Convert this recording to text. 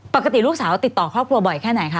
ปกติลูกสาวติดต่อครอบครัวบ่อยแค่ไหนคะ